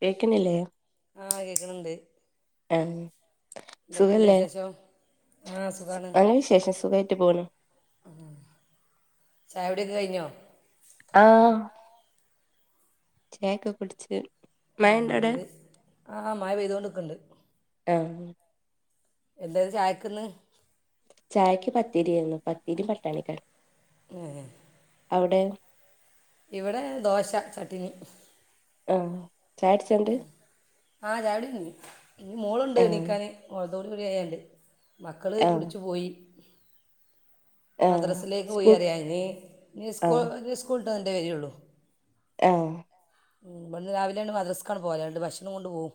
കേക്കണില്ലേ. ആ കേൾക്കുന്നുണ്ട്. ആഹ സുഖല്ലേ. വിശേഷം ആഹ് സുഖാണ് നല്ലവിശേഷം സുഖമായിട്ടു പോണു. ഉ ചായ കുടി ഒക്കെ കഴിഞ്ഞോ. ആഹ് ചായക്കെ കുടിച്ചു. എന്നണ്ട് ആ മഴ പെയ്തുകൊണ്ട്ക്കുന്നുണ്ട്. ആഹ് എന്തായ ചായക്കന്ന്. ചായക്ക് പത്തിരിയെന്നു പത്തിരി പട്ടാണി കറിയും ഏ അവ്ടെ ഇവിടെ ദോശ ചട്നി ആ ചായ കുടിച്ചോ ന്നട്ട് ആഹ് ചായുടി കയിഞ്ഞു ഇനി മോളുണ്ട് ആഹ് നീക്കാന് മോളത് കൂടി ആയാൽ മക്കള് ആഹ് കുടിച്ചു പോയി ആഹ് മദ്രാസിലേക്ക് പോയി സ്കൂൾ പറിയാം ഇനി സ്കൂൾ ആഹ് സ്കൂളിട്ട് വന്നിട്ടേ വരോളും ആഹ് ബട്ന്ന് രാവിലെണ്ട് മദ്രസ്ക്കാണ് പോലാണ്ട് ഭഷ്ണം കൊണ്ട് പോവും.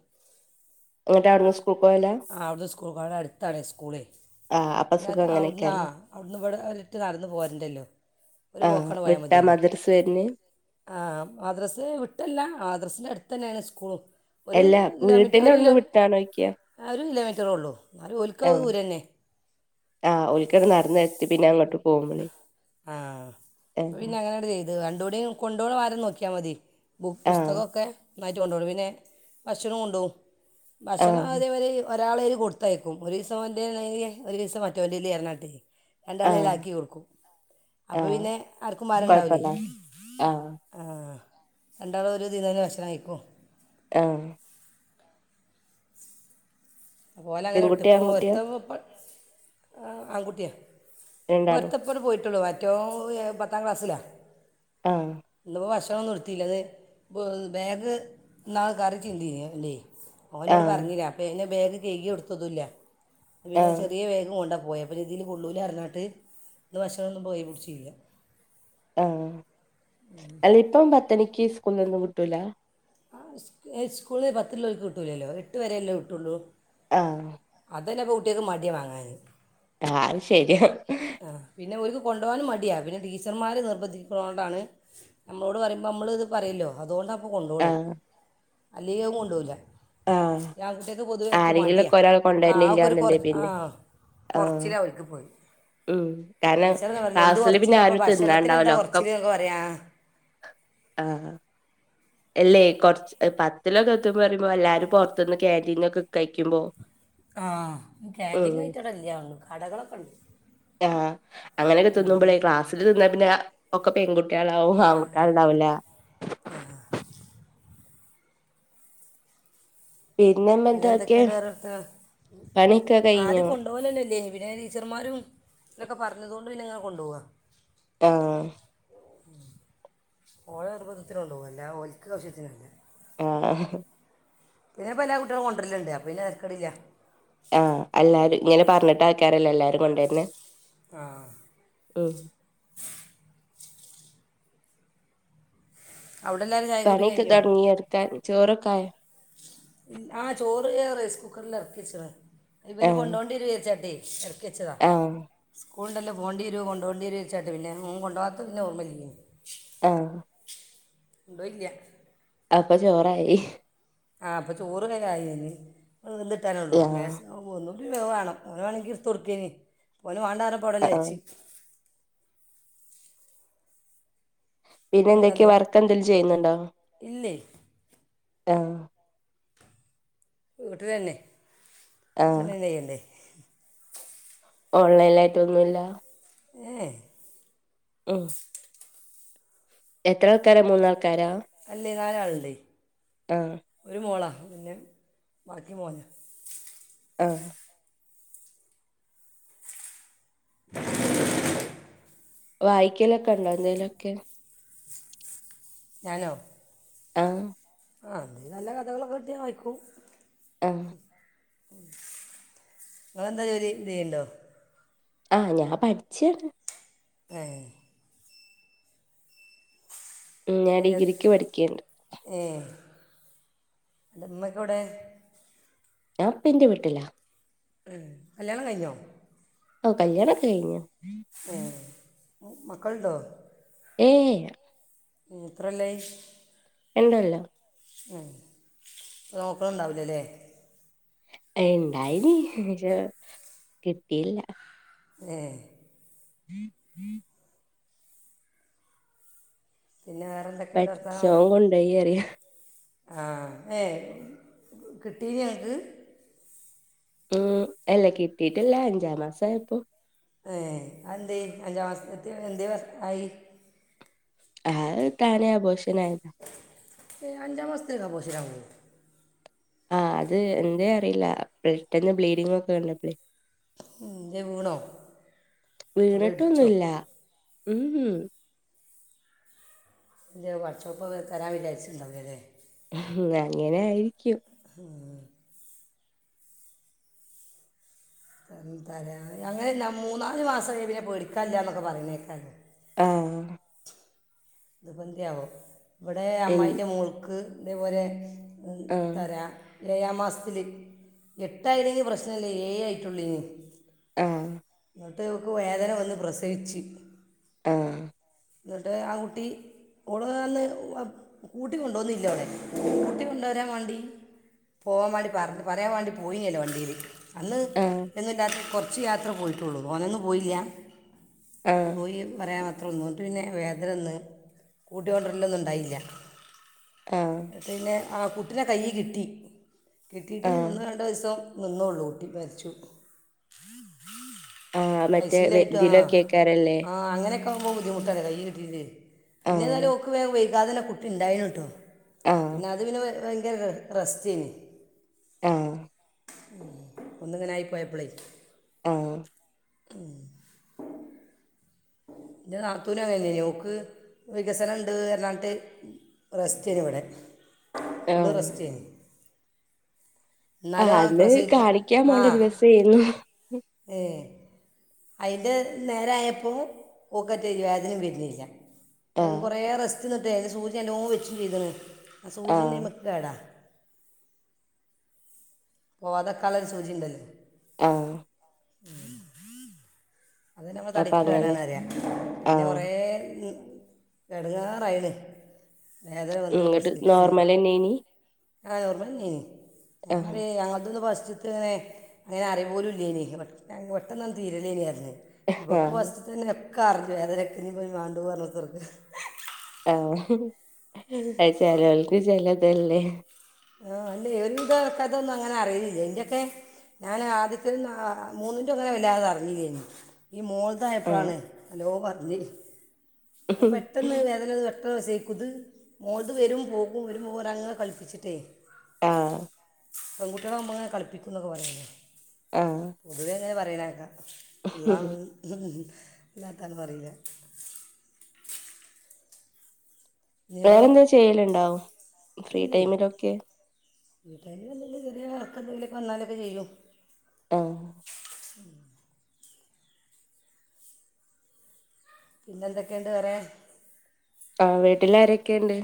എന്നിട്ട് അവിടുന്ന് സ്കൂൾക്ക് പോവലാ ആ അവിടുന്ന് സ്കൂൾ ക്കോവും അവിടെ അടുത്താണ് സ്കൂള് ആഹ് അപ്പൊ സുഖം ഞത് അവിടന്ന് ആ അങ്ങനെയൊക്കെയാല്ലേ അവിടന്ന് ഇവിടെറ്റം നടന്ന് പോരണ്ടല്ലോ ഒരു ആഹ വിട്ടാ മദ്രസ് വര്ണെ ആഹ മദ്രസ് വിട്ടല്ല മദ്രസ്സിന്റെ അടുത്ത് തന്നെയാണ് സ്കൂളും ഒരു അല്ല കിലോമീറ്റർ വീട്ടിന്റെ ഒരു കിലോ അവിടുന്ന് വിട്ടാണോയ്ക്കാ ഒരു കിലോമീറ്ററേ ഉള്ളൂ എന്നാലും ഒലക്കത് ദൂരം തന്നെ ആഹ ഓൽക്കൊക്കെ നടന്നു എത്തി പിന്നെ അങ്ങോട്ടും ആഹ ആഹ് പിന്നെ അങ്ങനെ അങ്ങട്ട് ചെയ് രണ്ടു കൂടിയും കൊണ്ടോവണ ഭാരം നോക്കിയാൽ മതി പു ആഹ് പുസ്തക്കൊക്കെ നന്നായിട്ട് കൊണ്ടോനു പിന്നെ ഭക്ഷണം കൊണ്ടോവും ഭക്ഷണം ആഹ് അതേമാരി ഒരാള്ളേൽ കൊടുത്തയക്കും ഒരു ദിവസം ഇവന്റെ ആണെങ്കിൽ ഒരു ദിവസം മറ്റൊന്റെയിൽ രണ്ടാളെല്ലും ആഹ് ആക്കികൊടുക്കും അപ്പോൾ ആഹ് പിന്നെ ആർക്കും ഭാരംണ്ടാവില്ലേ കൊഴപ്പല്ല ആഹ് ആ രണ്ടാളും ഒരു ഇതിന്ന് തന്നെ ഭക്ഷണ കഴിക്കും ആഹ് ഒലെ അങ്ങനെ ഇട്ട് പെൺകുട്ടിയാ ഇപ്പോൾ ആൺകുട്ടിയാ ഒരുത്തൻ ആൺകുട്ടിയാ ഇപ്പ രണ്ടാളും ഒരുത്തൻ ഇപ്പങ്ങട് പോയിട്ടുള്ളൂ മറ്റോൻ പത്താം ക്ലാസ്സിലാണ് ആഹ് ഇന്ന് ഇപ്പോ ഭക്ഷണം ഒന്നും ഇടുത്തില്ലെന്നു ബാഗ് ഇന്നാൾ കറി ചിന്തിനി അയിൽ ഓൻ ഇന്നോട് ആഹ് പറഞ്ഞില്ല അപ്പം പിന്നെ ബാഗ് കെഴുകി കൊടുത്തതുയില്ല പിന്നെ ആഹ് ചെറിയ ബേഗ് കൊണ്ടാ പോയെ അപ്പോ ഇഞ്ഞി ഇതിൽ കൊള്ളൂല അറിഞ്ഞാട്ട് ഇന്ന് ഭക്ഷണം ഒന്നും ഇപ്പോ കയ്യിൽ പിടിച്ചില്ല ആഹ അല്ല ഇപ്പം പത്തുമണിക്ക് സ്കൂൾന്നൊന്നും കിട്ടൂല ആ സ്കൂളിൽ പത്തുള്ളേർക്ക് കിട്ടൂലല്ലോ എട്ട് വരെ എല്ലേ കിട്ടുള്ളൂ ആഹ് അതന്നെപ്പോ കുട്ടിയാൾക്ക് മടിയാ വാങ്ങാന് ആ ഹ് അഹ് ശെരിയാ ആഹ് പിന്നെ ഓൽക്ക് കൊണ്ടുപോവാനും മടിയാ പിന്നെ ടീച്ചർമാര് നിർബന്ധിക്ക്ണതൊണ്ടാണ്. നമ്മളോട് പറയുമ്പോ നമ്മള് ഇത് പറയല്ലോ അതുകൊണ്ടപ്പോ കൊണ്ടു പോണേ ആഹ് അല്ലെൽ അതു കൊണ്ടൊല ആഹ് ആൺ കുട്ടിയാൾക് പൊതുവെ ഒക്കെ മടിയാ ആരെങ്കിലൊക്കെ ഒരാൾ ആ് ഓക്കൊരു കൊറ കൊണ്ടുവരുന്നില്ലാന്നുണ്ടേ ആ പിന്നെ ആഹ് കൊറച്ചിലാ അവര്ക്പത് ഉം കാരണം ക്ലാസില് പിന്നെ കുറച്ചിലാണ് അപ്പോൾ ആരും ഭക്ഷണത്തിന് തിന്നാണ്ടാവൂല എന്താ ഒക്കെ കുറച്ചിൽ എന്നൊക്കെ പറയാ ആഹ് അല്ലേ കൊറച്ച് പത്തിലൊക്കെ എത്തുമ്പോ പറയുമ്പോ എല്ലാരും പുറത്തുന്ന് കാന്റീന്നൊക്കെ കഴിക്കുമ്പോ ആഹ് കാന്റീൻ ഉം ആയിട്ട് അവ്ടെ ഇല്ല കടകളൊക്കെണ്ട് ആഹ് അങ്ങനെയൊക്കെ തിന്നു മ്പോളേ ക്ലാസ്സിൽ തിന്നാ പിന്നെ ഒക്കെ പെൺകുട്ടികളാവും ആണ് കുട്ടിയാള്ണ്ടാവൂല ആഹ് പിന്നെ പിന്നെമ്മന്തൊക്കെ ന്തൊക്കെയുണ്ട് വേറെ വർത്താനം പണിയൊക്കെ ആദ്യ കഴിഞ്ഞോ കൊണ്ടോ കൊണ്ടോവൽ തന്നെ ഇല്ലെനി പിന്നെ ടീച്ചർമാരും ഇവരൊക്കെ പറഞ്ഞതുതോണ്ട് പിന്നെങ്ങനെ കൊണ്ടുപോവാ ആഹ് ഓലെ നിർബന്ധത്തിനു കൊണ്ടോവാ അല്ലതെ ഓൽക്ക് ആവശ്യത്തിനല്ല അഹ് പിന്നെപ്പ എല്ലാ കുട്ട്യാളും കൊണ്ടുര്ല്ണ്ട് അപ്പ പിന്നെ തേര്ക്കടില്ലാ. ആഹ് എല്ലാരും ഇങ്ങനെ പറഞ്ഞിട്ടക്കാരല്ല എല്ലാരും കൊണ്ടരുന്നെ ആഹ് ഉം അവിടെല്ലാരു പണിയൊക്കെ തൊടങ്ങൊയൊ ഇട്ക്കാൻ ചോറൊക്കായൊ ആ ചോറ് റൈസ് കുക്കറിൽ എറക്കി വച്ചതാ ഇവന് ആഹ് കൊണ്ടോണ്ടിനു വിചാരിച്ചാട്ടേയ് എറക്കി വെച്ചതാ ആഹ് സ്കുൾ ണ്ടല്ലൊ പൊണ്ടിരൊ കൊണ്ടൊണ്ടിയരൊ ചാരിച്ചാട്ട് ഓൻ കൊണ്ടൊ കാത്ത പിന്നെ ഒർമ ഇല്ല്യനി ആഹ്‌ ണ്ടൊയില്ല്യ അപ്പൊ ചോറായി ആഹ് അപ്പം ചോറ്ങ്ങട്ട് ആയിവര്ന് അത് വെത്ന്ട്ടനൊള്ളു മേസ ആഹ് ഒന്നുടിം വേവാണം ഓൻ മാണകിൽ ഇട്തൊട്ക്കേനി ഓൻ മാണ്ടർഞ്ഞപ്പൊ അവിടെതന്നെ ആഹ് വെച്ച് പിന്നെ എന്തൊക്കെയാ വർക്ക് എന്തെലും ചെയ്യുന്നുണ്ടോ ഇല്ലേയ് ആഹ് വീട്ടിലെ നന്നെ ആഹ് ഇവിട്ത്തണിന്നെ കയ്യണ്ടെ ഓൺലൈനായിട്ടൊന്നുല്ല ഏയ് മ്മ് എത്രൾക്കാര മൂന്നാൾക്കാരോ അല്ലേ നാലാള്ണ്ടെ ആഹ് ഒരു മോളാ പിന്നെ ബാക്കി മോനാ ആഹ് [inaudible] വായിക്കലൊക്കെ ഇണ്ടോ എന്തേലോക്കെ ഞാനോ ആഹ് ആഹ് അങ്ങനെ നല്ല കഥകളൊക്കെ കിട്ടിയ വായിക്കും ആഹ്‌ ഇങ്ങക്കെന്താ ജോലി ന്തേണ്ടോ? ആഹ് ഞാൻ പഠ്‌ച്ചാണ്. ഏഹ് ഞാൻ ഡിഗ്രിക്ക് പഠിക്കേണ്. ഏഹ് ൻ്റെമ്മാക്കെവടെ? ഞാപ്പന്റെ വീട്ടിലാ. ആഹ് കല്യാണം കഴിഞ്ഞോ? ഓഹ് കല്യാണോക്കെ കഴിഞ്ഞു ഏഹ് മ് മക്കള്ണ്ടോ? ഏയ് ഇല്ല ഉം എത്ര കൊല്ലായി? രണ്ടൊല്ലം ഉം നോക്ക്ണ് ണ്ടാവൂല്ലല്ല. ഏയ് ഇണ്ടായില്ല [unintelligible] കിട്ടില്ല. ഏഹ്‌ [inaudible] പിന്നെ വേറെന്തെ പട്ച്ചോൻ കൊണ്ടോയി യറ്യാ ആഹ് ഏയ് കിട്ടീന്യോ ങ്ങക്ക്? ഉം അല്ല കിട്ടിട്ടില്ല അഞ്ചാം മാസയപ്പോ ഏഹ് അതെന്തേ അഞ്ചാം മാസത്ത്ത്തെ എന്തേ ആയി? അത് താനെ അബോഷനായി. ഏഹ് അഞ്ചാം മാസത്തിലൊക്കെ അബോർഷനാകോ? ആഹ് അത് എന്തേ അറീല്ല പെട്ടെന്ന് ബ്ലീഡിങ്ങൊക്കെ വന്നപ്ലേയ് എന്തേ വീണോ വീണ് അവിടെ ഇടിച്ചോ ട്ടൊന്നുല്ല ഉം ഉം എന്ത്യാവൊ പാട്ച്ചോപ്പത് തരാൻ വിചാര്ച്ച്ണ്ടാവൂല്ലല്ലേ ഇല്ല അങ്ങനായിരിക്കും. ഉം [unintelligible] തരാ ഞങ്ങനല്ല മൂന്നാല് മാസം കഴ്ഞ്ഞാ പിന്നെ പേടിക്കാല്ലാന്നൊക്കെ പറിണേക്കാലോ ആഹ് ഇത് പെന്ത്യാവോ ഇവടെ എൻ അമ്മായിൻ്റെ മോൾക്ക് ഇതേപോലെ [unintelligible] ആഹ് തരാ ഏഴാം മാസത്തില് എട്ടായിണെങ്കി പ്രശ്നല്ല ഏഴായിട്ടൊള്ളേ നി ആഹ് ന്നട്ട് ഓക്ക് വേദന വന്ന് പ്രസവിച്ച്. ആഹ് ന്നട്ട് ആ കുട്ടി ഓള് അന്ന് അപ് കൂട്ടി കൊണ്ടോന്നില്ലോളേ കൂട്ടിക്കൊണ്ടോരാൻ വാണ്ടി പോവാൻ വേണ്ടി പർഞ്ഞ് പറ്യാൻ വാണ്ടി പോയിന്യേല്ലോ വണ്ടീല് അന്ന് ആഹ് എന്നുല്ലാത്ത കൊർച്ച് യാത്ര പോയിട്ടൊള്ളൂ തോനൊന്നും പോയില്ല അ ആഹ് പോയി പറ്യാ മാത്ര [unintelligible] ന്നട്ട് പിന്നെ വേദന വന്ന് കൂട്ടി കൊണ്ട്രെലൊന്നുണ്ടായില്ല. ആഹ് ന്നട്ട് പിന്നെ ആ കുട്ടിനെ കയ്യി കിട്ടി കിട്ടിട്ട് ആഹ് ഒന്നോ രണ്ടോ ഇസം നിന്നോള്ളൂ കുട്ടി മരിച്ചു. ആഹ് ഐ മറ്റേ സി യു വെ ലായിട്ട് ആഹ് ഇതിലൊക്കെക്കാരല്ലേ ആഹ് അങ്ങനെ ക്കാവുമ്പം ബുദ്ധിമുട്ടല്ലെ കൈ കിട്ടീട്ട് ആഹ് പിന്നെതാലും ഓക്ക് വേം വൈകാതെന്നെ കുട്ടി ണ്ടായിണ് ട്ടോ ആഹ് പിന്നെ അത് പിന്നെ ഭയങ്കര റെസ്റ്റെനി ആഹ് ഉം ഒന്ന്ങ്ങനായി പോയപ്പളേയ് ആഹ് ഉം എന്റെ നാത്തൂന അങ്ങനന്ന ഓക്ക് വികസനണ്ട് പറഞ്ഞിട്ട റെസ്റ്റ് ചെയ്യന് ഇവിടെ ഫുള്ള് ആഹ് റെസ്റ്റ് ചെയ്യന് ന്നാലു ആഹ് അന്ന് പ്രസവിക്ക കാണിക്കാൻ ആ പോണ്ട ദിവസേന്നു ഏ അതിൻ്റെ നേര ആയപ്പോൾ ഓക്കറ്റയും വേതനയും വരുന്നില്ല ആഹ് കുറേ റെസ്റ്റ്ന്നിട്ടേ അന് സൂചിൻ വെച്ച്ചെയ്തത് ആ സൂചിൻ ആഹ് മെക്കേടാ ഓ അതൊക്കാള സൂചിയുണ്ട ആ. [inaudible] അത് നമ്മൾ അപ്പൊ തടിക്ക് അങ്ങനെ കേടാന്ന് പറയാ പിന്നെ ആഹ് കുറേ എടങ്ങാറായിണ് ങ്ങട്ട് നോർമൽ തന്നെനി ആ നോർമല് തന്നെയാനി ഞാൻ ആഹ് പറയ് നോർമൽ പസ്റ്റ് നെ അങ്ങനെ അറിവോലും ഇല്ലാഞ്ഞ് പെട്ടും തീര നില്ലേന ഇവക്ക് അ ആഹ് തന്നെ ഒക്കെ അറിഞ്ഞു വേദനക്കിനഞ് പോയി മാണ്ടപോ പറഞ്ഞത്തർക്ക് ആഹ് അ ചിലവൾക്ക് ചിലതല്ലേ ആ അല്ലേ ഒരു ഇതക്ക അതൊന്നും അങ്ങനെ അറിയില്ല എന്റെയൊക്കെ ഞാൻ ആദ്യത്തെ മൂന്നിറ്റ അങ്ങനെ വല്ലാതെ അറിഞ്ഞ കഴഞ്ഞു ഈ ആഹ് മോൾതയപ്പോഴാണ് മോള് പറഞ്ഞേ അപ്പ പെട്ടെന്ന് വേദനത് ക്കസക്കത് മോൾത് വരും പോകും വരുമ്പോൾരാ അങ്ങനെ കളിപ്പിച്ചിട്ടേ ആഹ് പെൺകുട്ടികളെ നമ്മൾെ കളിപ്പിക്കും എന്നൊക്കെ പറയുന്നേ ആഹ് പൊതുവേ അങ്ങനെ പറയാനക്കാ എല്ലാം എല്ലാ തന്മറല്ല ഇനിയിപ്പോൾ വേറെന്താ ചെയ്യലുണ്ടാ ഫ്രീ ടൈമിലൊക്കെ വീട്ടായൽ വല്ല ചെറിയ ആൾക്കെ എന്തെിലുമൊക്കെ വന്നാലൊക്കെ ചെയ്യും. ആ.. പിന്നെ എന്തൊക്കെയുണ്ട് പറയാൻ ആ വീട്ടിലാരൊക്കെയുണ്ട്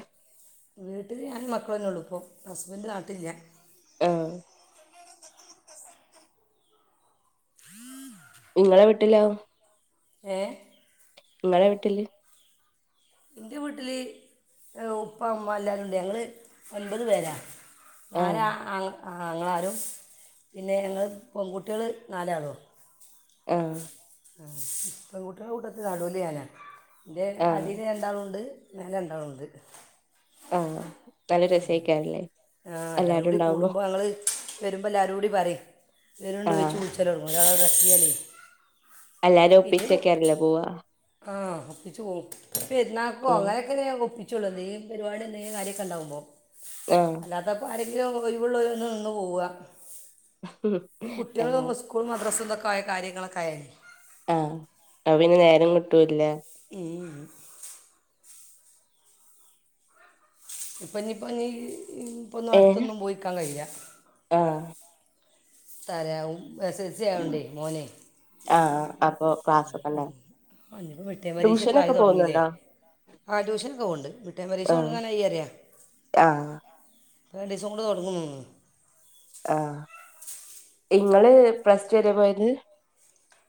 വീട്ടില് ഞാൻ മക്കളന്നെ ഉള്ളു ഇപ്പോ ഹസ്ബൻഡ് നാട്ടില്ല ആഹ് നിങ്ങളെ വീട്ടിലാ ഏഹ് നിങ്ങളുടെ വീട്ടില് എന്റെ വീട്ടില് ഉപ്പ അമ്മ എല്ലാവരുണ്ട് ഞങ്ങള് ഒന്പത് പേരാണ് നാല ആഹ് ങ്ങളാരും പിന്നെ ഞങ്ങള് പെൺകുട്ടികൾ നാലാളോ ആഹ് ആ ഇപ്പം കൂട്ട കൂട്ടത്ത് നടുലിയാന എൻ്റെ ആഹ് അടി രണ്ടാളുണ്ട് ഞാൻ രണ്ടാളുണ്ട് ആഹ് നല്ല ഉ രസേക്കാരല്ലേ ആ എല്ലാവരും എല്ലാരും കൂടി ഉണ്ടാവുമ്പോ കൂടുമ്പോൾ ഞങ്ങള് വരുമ്പോ എല്ലാവരും കൂടി പറ വരണ്ട് ആഹ് വെച്ചച്ച് വിളിച്ചാലോട ഒരാള ചെയല്ലേ അല്ലരും ഒപ്പിച്ചകേെറല്ല പോവാ ആ പിച്ച പെരുന്നാൾക്ക് ഉം അ ഒപ്പിച്ചുള്ളത് നീ ഒരുപാട് കാര്യൊക്കെ ഉണ്ടാവുമോ ആഹ് അതപ്പോൾ ആരെങ്കിലും കഴിവൂള്ള ഒന്ന് നിന്ന് പോവുക ഉം ഈ ആഹ് കുട്ടികള് സ്കൂളും മദ്രസ്സൊക്കെയകാര്യങ്ങളൊക്കൊയാലൽ ആഹ അ പിന്നെ നേരം കിട്ടൂല്ലേ ഉം ഇപ്പംന്നിപ്പന്നി പ്പൊന്നും ഏഹ് അട്ത്തൊന്നും പോയിക്കാൻ കയ്യൂല ആഹ് താറ്യ എസ് എൽ സി ആയോണ്ടേയ് മോനെയ് ആഹ് അപ്പൊ ഉം ക്ലാസ്സൊക്കെ ഉം ഉണ്ടാവും ആഹ് നിപ്പോമിടുക്കി മിട് ടെം പരീക്ഷക്കായി ട്യൂഷനൊക്കെ തൊടങ്ങിലേ പോകുന്നുണ്ടോ ആ ട്യൂഷനൊക്കെ പോവ്ണ്ട്. മിട്ടേം പരീശ ആഹ് തൊട്ങ്ങാനായി അറ്യ ആഹ് പ്പൊ രണ്ടീസം കൊണ്ട് തൊട്ങ്ങും ആഹ് ഇങ്ങള് പ്ലസ് റ്റു വരെ പോയത്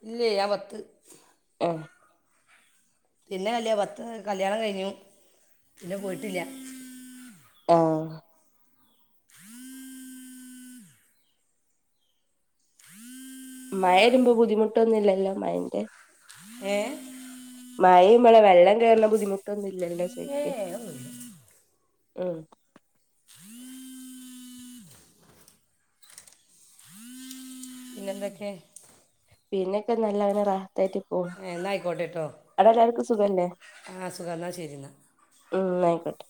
ഇല്യേ ഞാൻ പത്ത് ഉം പിന്നെ കല്യാ പത്ത് കല്യാണം കഴിഞ്ഞു. പിന്നെ പോയിട്ടില്ല ആഹ് മഴ വരുമ്പോ ബുദ്ധിമുട്ടൊന്നുമില്ലല്ലോ മയന്റെ ഏഹ് മഴയുമ്പളെ വെള്ളം കേറുന്ന ബുദ്ധിമുട്ടൊന്നും ഇല്ലല്ലോ ഏ ചോയ്ക്ക്യ ഒന്നുമില്ല ഉം പിന്നെന്തൊക്കെ? പിന്നെക്കെ നല്ലനെ റാഹത്തായിട്ട് പോണ് ഏഹ് ന്നാ ഐക്കോട്ടെ ട്ടോ, അവിടെ എല്ലാവർക്കും സുഖല്ലേ ആ സുഖം ന്നാ ശരി ന്നാ ഉം ന്നാഐക്കോട്ടെ